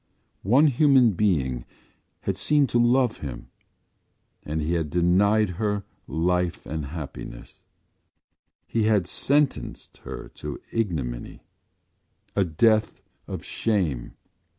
One human being had seemed to love him and he had denied her life and happiness: he had sentenced her to ignominy, a death of shame.